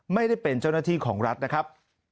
ไม่ได้เป็นเจ้าหน้าที่ของรัฐนะครับ